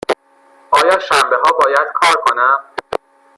آیا شنبه ها باید کار کنم؟